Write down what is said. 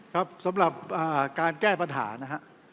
ครับสำหรับการแก้ปัญหานะฮะ